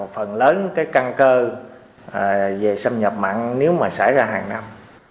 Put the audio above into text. phần lớn cái căng cơ về xâm nhập mặn nếu mà xảy ra hàng năm